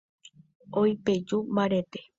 Oipeju mbarete.